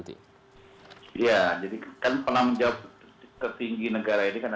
tidak ter terrain